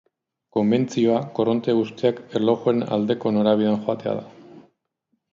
Konbentzioa korronte guztiak erlojuaren aldeko norabidean joatea da.